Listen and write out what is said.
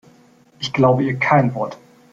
Ich glaube ihr kein Wort.